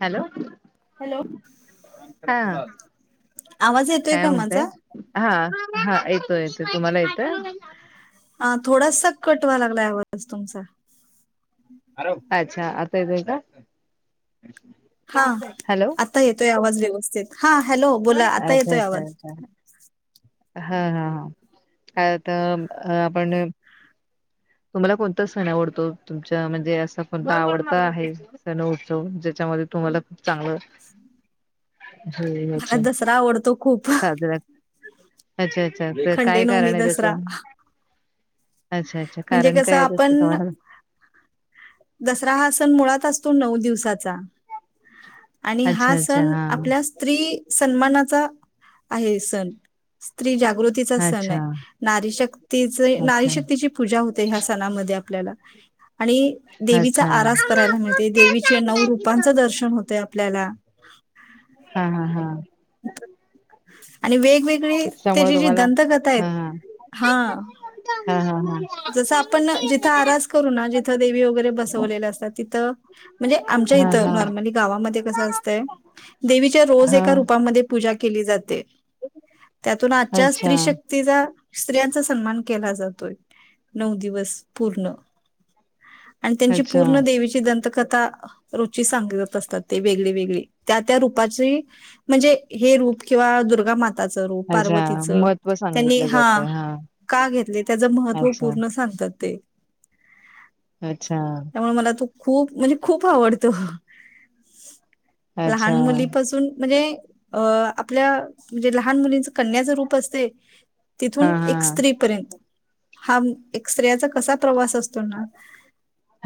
Hello hello हा! आवाज येतोय काय का माझा म्हणतय हा हा येतो येतोय तुम्हाला येतोय अ थोडासा कटव व्हायला लागलाय आवाज तुमचा. अच्छा आता येतोय का? हा हॅलो आता येतोय आवाज व्यवस्थित हा. हॅलो बोला आता अच्छा येतोय अच्छा आवाज. अच्छा हा हा ह कायता आपण.. तुम्हाला कोणता सण आवडतो तुमच्या मध्ये असा कोणता आवडता आहे. सण उत्सव जेच्या तुम्हाला तुम्हाला खुप चांग [inaudible] मला होत दसरा आवडतो खूप. साजरा अच्छा अच्छा तर काय खंडेनवमी कारण आहे त्याचं? दसरा अच्छा अच्छा म्हणजे कारण कस काय आहे त्याचं आपण तुम्हाला दसरा हा सण मुळात असतो नऊ दिवसाचा आणि हा अच्छा अच्छा सण आपल्या हा स्त्री सन्मानाचा आहे सण स्त्री जाग गृतीचा सण अच्छा आहे नारी शक्ती अच्छा नशक्तीची पूजा होते ह्या सणामध्ये आपल्याला.. आणि देवीचा अच्छा आरास करायला मिळते देवीचे नऊ रूपांचं दर्शन होतय आपल्याला. हा हा हा. [unintelligible] आणि वेगवेगळे त्याच्यामुळे त्याची जी तुम्हाला दंतकथा आहेत. हा हा हा हा हा जसं आपण जिथं आरास करू ना जिथं देवी वगैरे बसवलेले असतात तिथं म्हणजे आम च्या हा इथं हा हा नॉर्मली गावामध्ये कस असतंय देवीच्या रोज हा एका रूपामध्ये पूजा ज्या केली जाते त्यातून आजच्या अच्छा स्त्री शक्तीचा स्त्रियांचा सन्मान केला जातोय नऊ दिवस पूर्ण. आणि त्यांची अच्छा पूर्ण देवीची दंतकथा रुची सांगत असतात ते वेगळी वेगळी. त्या त्या रूपाची म्हणजे हे रूप किंवा दुर्गा मात ता चं रूप अच्छा पार्वतीच महत्त्व त्यांनी सांगितलं हा जाते का घेतले त्याच महत् त्व अच्छा पूर्ण सांगतात ते. अच्छा त्यामुळे मला तो खूप म्हणजे खूप आवडतो अच्छा लहान मुलीपासून म्हणजे अ आपल्या म्हणजे लहान मुलींच कन्याचं रूप असतय तिथून हा एक हा स्त्रीपर्यंत हा एक स्त्रियाचा कसा प्रवास अस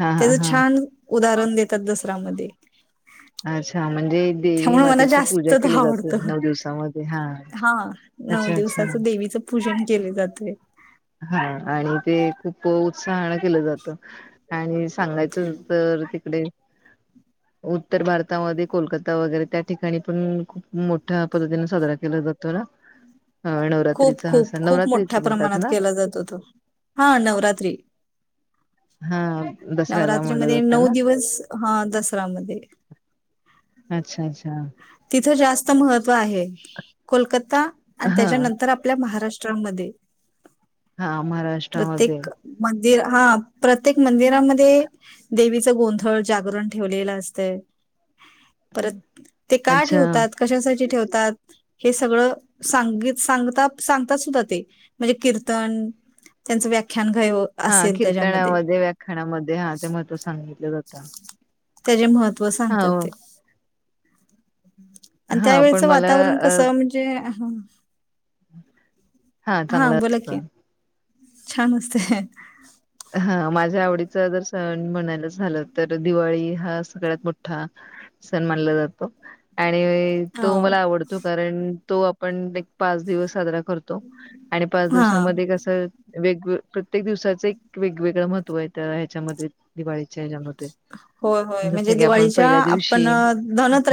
हा हा हा छान उदाहरण देतात दसऱ्यामध्ये. अच्छा म्हणजे देवी मातेच पूजा जास्त तो केली जाते आवडतो नऊ दिवसामध्ये हा नऊ अच्छा अच्छा दिवसाचं देवीच पूजन केले जातय. हा आणि ते खूप उ उत्साहाने केलं जात आणि सांगायचं तर तिकडे उत्तर भारतामध्ये कोलकाता वगैरे त्या ठिकाणी पण खूप मोठ्या पद्धतीने साजरा केला. जातो ना खूप नवरात्रीच हा खूप खूप नवरात्रीच मोठ्या म्हणतात प्रमाणात ना? केला जातो. हा नवरात्री. हा दसऱ्याला नवरात्री म्हणलं मध्ये जातं नऊ ना. दिवस हा दसरामध्ये अच्छा अच्छा इथ जास्त महत्व आहे. कोलकता आणि हा त्याच्यानं आप महाष्ट्रामधे हा महाराष्ट्रामध्ये प्रत्येक मं हा प्रत्येक मंदिरामध्ये देवीचं गोंधळ जागरण ठेवलेलं असतंय. परत ते का अच्छा ठेवतात कशासाठी ठेव हे सगळ सांगित सांगतात सांगतात सुद्धा ते म्हणजे कीर्तन त्यांच व्याख्या हा कीर्तनामध्ये व्याख्यानामध्ये हा ते महत्व सांगितलं जातं. त्याचे महत्त्व सांगतात हा ते आणि हा त्यावेेळेच पण मला वातावरण अ कसं म्हणजे ह हा चांगलं असत. की छान असते. हा माझ्या आवडीच जर सण म्हणायला झालं तर दिवाळी. हा सगळ्यात मोठा सण मान जातो. हो तो मला आवडतो कारण तो आपण एक पाच दिवस साजरा करतो आणि पाच हा दिवसामध्ये कसं वेग प्रत्येक दिवसाच एक वेगवेगळं महत्व आहे त्या ह्याच्यामध्ये दिवाळीच्या ह्याच्यामध्ये होय होय म्हणजे जसं की आपण दिवाळीच्या पहिल्या आपण दिवशी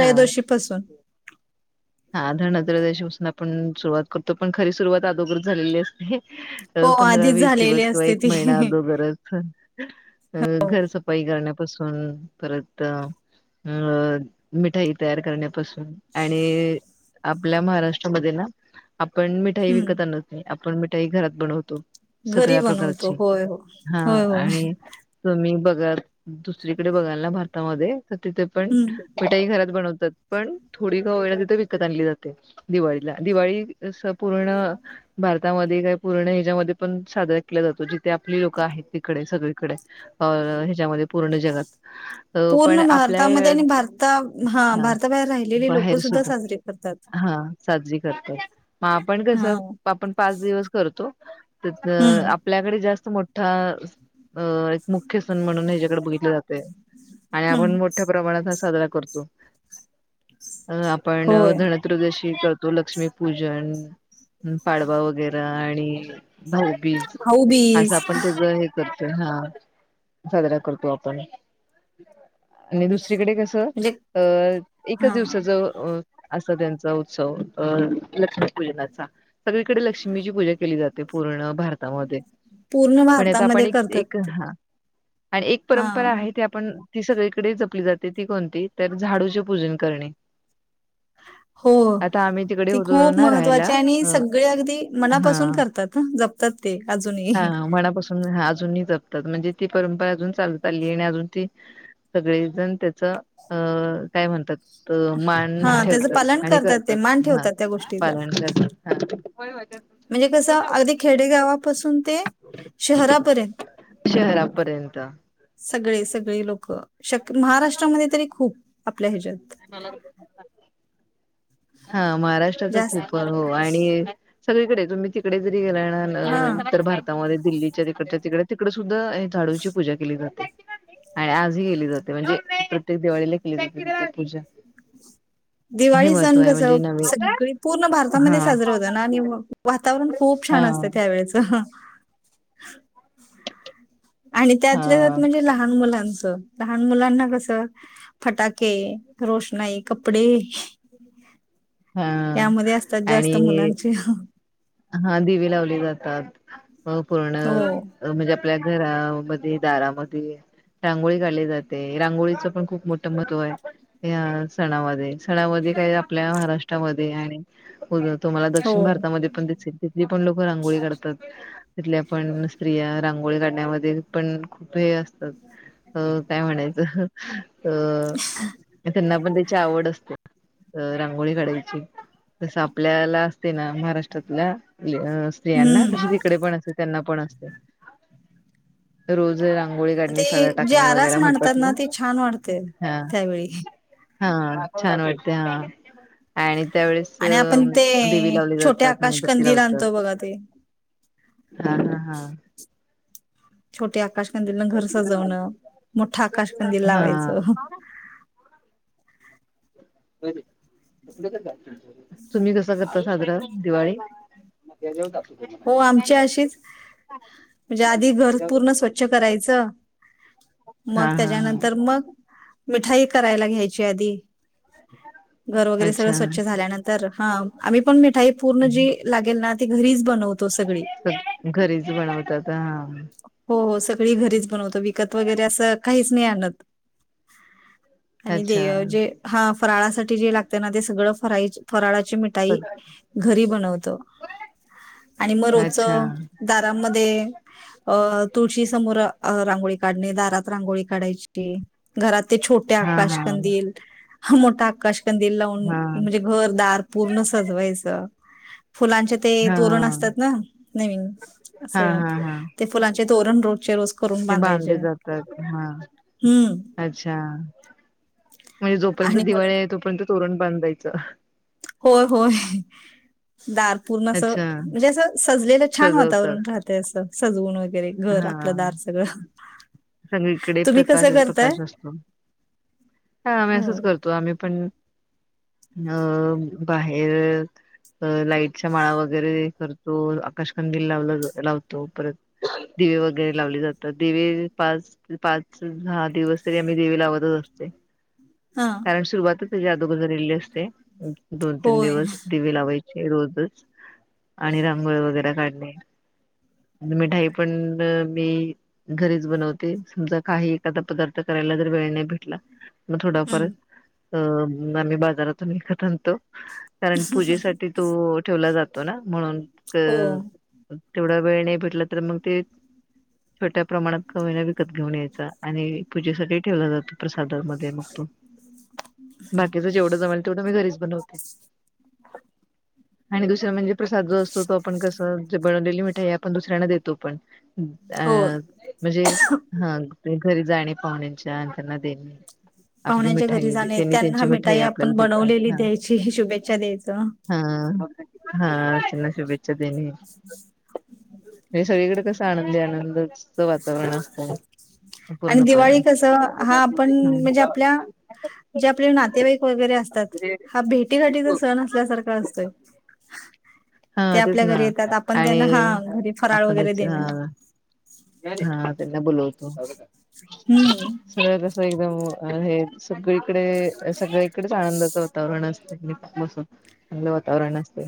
हा पासून हा धनत्रयदिशी आपण सुरुवात करतो पण खरी सुरुवात अदोगरचं झालेली असते.. हो पंधरा आधीच वीस झालेली दिवस किंवा असते एक ती महिना अदोगरच अ घरसफाई करण्यापासून परत अ अ मिठाई तयार करण्या पासून आणि आपल्या महाराष्ट्रामध्ये ना आपण मिठाई हम्म विकत आणत नाही आपण मिठाई घरात बनवतो. घरी सगळ्या बनवतो प्रकारची होय हो. हा होय होय आणि तुम्ही बघा दुसरीकडे बघाल ना भारतामध्ये तिथे पण हम्म मिठाई घरात बनवतात. पण थोडी का होईना, तिथं विकत आणली जाते दिवाळीला दिवाळी पूर्ण भारतामध्ये का पूर्ण ह्याच्यामध्ये पण साजरा केला जातो जिथे आपली लोकं आहेत तिकडे सगळीकडे अ ह्याच्यामध्ये पूर्ण जगात. पण पूर्ण आपल्या भारतामध्ये आणि भारता हा भारताबाहेर राहिलेली लोक सुद्धा साजरीे करतात. हा आपण कस हां. आपण पाच दिवस करतो. हं, आपल्याकडे जास्त मोठा अ एक मुख्य सण म्हणून ह्याच्याकडे बघितले जाते आणि हं. आपण मोठ्या प्रमाणात हा साजरा करतो, आपण होय. तधनत्रयोदशी करतो लक्ष्मीपूजन पाडवा वगैरे आणि भाऊबीज असं भाऊबीज आपण सगळं हे करतो. हा साजरा करतो, आपण आणि दुस दुसरीकडे कस म्हणजे अ एकच हां, दिवसाच अ असं त्यांचा उत्सव अ लक्ष्मी पूजनाचा सगळीकडे लक्ष्मीची पूजा केली जाते पूर्ण भारतामध्ये. पूर्ण पण याचा आपण भारतामध्ये एक एक करतात. हा आणि एक परंपरा हां. आहे ते आपण ती सगळीकडे जपली जाते ती कोणती? तर झाडूचे पूजन करणे. हो. आता आम्ही तिकडे ती होतो खूप ना राहायला महत्वाची आणि अ सगळे अगदी हा मनापासून करतात हं, जपतात ते हा अजूनही. मनापासून अजूनही जपतात म्हणजे ती परंपरा अजून चालत आली आहे आणि अजून ती सगळेजण त्याच अ काय म्हणतात? तर मान हां, त्याचं ठेवतात पालन आणि ते, करतात मान हा ठेवतात त्या गोष्टीचा. पालन करतात ह. म्हणजे कसं अगदी खेडेगावापासून ते शहरापर्यंत पर्यंत सगळे सगळे लोकं शक् महाराष्ट्रामध्ये तरी खूप आपल्या ह्याच्यात मला [unintelligible] हा महाराष्ट्राच जास्त खूप [inaudible] हो आणि सगळीकडे तुम्ही तिकडे जरी गेलात ना हा उत्तर भारतामध्ये दिल्लीच्या तिकडच्या तिकडे तिकड सुद्धा दरवेळी झाडूची पूजा केली जाते. आणि आजही केली जाते, म्हणजे प्रत्येक दिवाळीला केली जाते पूजा. हे दिवाळी महत्व सण आहे कसं म्हणजे नवीन सगळी पूर्ण भारतामध्ये हा साजरं होत ना आणि वातावरण खूप छान हा असतं त्या वेळेचं. आणि हा त्यातले त्यात म्हणजे लहान मुलांच लहान मुलांना कसं फटाके रोषणाई कपडे हा यामध्ये असतात जास्त आणि मुलांचे हा दिवे लावली जातात पूर्ण हो म्हणजे आपल्या घरामध्ये दारामध्ये रांगोळी काढली जाते, रांगोळीच पण खूप मोठं महत्त्व आहे या सणामध्ये सणामध्ये काय आपल्या महाराष्ट्रामध्ये आणि उ [unintelligible] तुम्हांला हो दक्षिण भारतामध्ये पण दिसेल तिथली पण लोकं रांगोळी काढतात. तिथल्या पण स्त्रिया रांगोळी काढण्यामध्ये पण खूप हे असतात हो काय म्हणायचं अ तर त्यांना पण त्याची आवड असते रांगोळी काढायची तसं आपल्याला असते ना महाराष्ट्रातल्या स्त्रियांना हम्म तशी तिकडे पण असते त्यांना पण असते रोज रांगोळळी काढणे सडा ते जे टाकणे आरास वगैरे मांडतात म्हणतात ना ते छान वाटते ना त्यावेळी हा हा छान वाटते हा आणि त्यावेेळेस आणि आपण ते दिवे लावली छोटे जातात. आकाश मेणबत्ती कंदील लावतात. आणतो बघा ते हा हा हा. छोटे आ आकाशकंदीलन घर सजवणं मोठं हा आकाशकंदील हा लावायचं. बरं. तुम्ही कसं करता साजरा दिवाळी. हो आमच्या अशीच म्हणजे आधी घर पूर्ण स्वच्छ करायचं. हा मग हा त्याच्यानंतर हा मग मिठाई करायला घ्यायची आधी घर वगैरे सगळं अच्छा. स्वच्छ झाल्यानंतर हा आम्ही पण मीठ ई पूर्ण जी लागेल ना ती घरीच बनव सगळ घरीच बनवतात हा. हो हो सगळी घरीच बनवतो विकत वगैरे असं काहीच नाही आणत. आणि अच्छा. ते जे हा फराळासाठी जे लागते ना ते सगळं फरा फराळा ची मिठाई घरी बनवतो. आणि मग रोजच अच्छा दारांमध्ये अ तुळशी समोर रांगोळी काढणे दारात रांगोळी काढायची घरात ते छोटे हा हा आकाशकंदील, मोठा आकाशकंदील लावून हा म्हणजे घर दार पूर्ण सजवायचं. फुलांचे ते हा तोरण असतात, ना नवीन हा असं हा हा ते फुलांच्या ते तोरण रोजचे रोज करून ते बांधायचे बांधले जातात हा, हम्म अच्छा. म्हणजे जोपर्यंत आणि मला दिवाळी आहे, तोपर्यंत तोरण बांधायच. होय होय दार पूर्ण असं अच्छा म्हणजे असं सजलेलं छान सजवतात वातावरण राहतय असं सजवून वगैरे वगैरे घर आपलं दार सगळं. संगळीकडे तुम्ही कसं प्रकाशच करताय प्रकाश असतो हा आम्ही हो. असंच करतो. आम्ही पण अ बाहेर लाईटच्या माळा वगैरे करतो. आकाशकंदील लाव लावतो. परत दिवे वगैरे लावले जातात. दिवे पाच पाच दहा दिवस तरी आम्ही देवे लावतच असते. हां. कारण सुरुवातच [unintelligible] असते. दोन तीन होय. दिवस दिवे लावायचे. रोजच आणि रांगोळ वगैरे काढणे. आणि मिठाई पण मी घरीच बनव ते समजा काही एखादा पदार्थ करायला जर वेळ नाही भेटला मग थोडाफार हं. अ आम्ही बाजारातून विकत आणतो, कारण पूजेसाठी तो ठेवला जातो. ना म्हणून क हो. तेवढा वेळ नाही भेटला तर मग ते छोट्या प्रमाणात होईना विकत घेऊन यायचा. आणि पूजे सगळी ठेवला जातो प्रसादामध्ये मग तो. बाकीच जेवढं जमल तेवढं मी घरीच बनवते. आणि दुसर म्हणजे प्रसाद जो असतो तो आपण कसं बनवलेली मिठाई आपण दुसऱ्यांना देतो पण. अ हो. म्हणजे हा ते घरी जाणे पाहुण्यांच्या अन त्यांना देणे. आपली पाहुण्यांच्या घरी मिठाई जाणे, त्यांनी त्यांची त्यांना मिठाई आपल्याला आपण देतात बनवलेली ह द्यायची, शुभेच्छा द्यायचं. ह. हा हा त्याना शुभेच्छा देने. हे सगळीकडे कस आनंदी आनंदचं वातावरण असतंय. आणि दिवाळी कस हा आपण म्हणजे आपल्या जे आपले नातेवाईक वगैरे असतात. हा भेटीघाटीचा सण असल्यासारखा असतोय. [inaudible] हा ते तेच आपल्या ना घरी येतात आपण आणि त्यांना हा घरी फराळ वगैरे आपलेच अ देणं. [unintelligible] हम्म. हो हे सगळीकडे सगळी कडेच आनंदाचं वातावरण असत दीप बसून. वातावरण असते.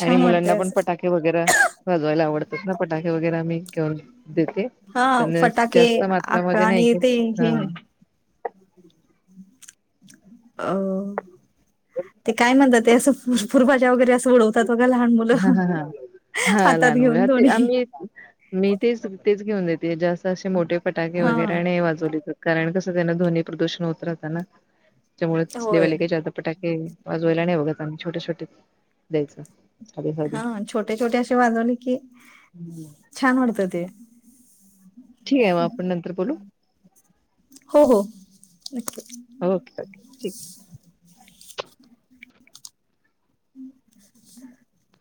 आणि वाटतंय मुलांना पण असं. पटाखे वगैरे वाजवायला आवडतेत ना पटाखे वगैरे आम्ही घेऊन देते हा पण फटाके जास्त आक मात्रामध्ये नाही आणि ग ते हा हे अ ते काय म्हणतात? ते असं फुरफुर बाज्या वगैरे असं उडवतात. बघा लहान मुलं. हा हा हा हा. हातात घेऊन लहान [unintelligible] ते दोन्ही. आम्ही मी तेच तेच घेऊन देते जास्त असे मोठे फटाके हां, वगैरे नाई वाजवली पा कारण कसं त्यांना ध्वनी प्रदूषण होत राहत ना, त्यामुळे होय. तसलेवाले काही जादा पटाक हे वाजवायला नाही बघत आम्ही छोटे छोटे द्यायचं. साधे साधे हा छोटे छोटे असे वाजवले की, छान वाटत ते. ठीहाय म आपण नंतर बोलू? हो, हो. नक्की. Okay okay. ठीकये. [unintelligible]